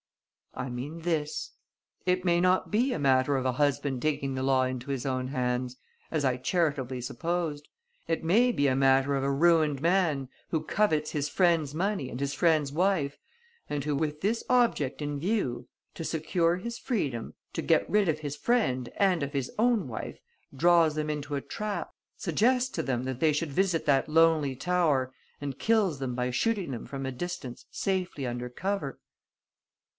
"I mean this. It may not be a matter of a husband taking the law into his own hands, as I charitably supposed. It may be a matter of a ruined man who covets his friend's money and his friend's wife and who, with this object in view, to secure his freedom, to get rid of his friend and of his own wife, draws them into a trap, suggests to them that they should visit that lonely tower and kills them by shooting them from a distance safely under cover."